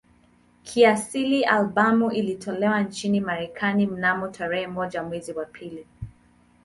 Kiasili albamu ilitolewa nchini Marekani mnamo tarehe moja mwezi wa pili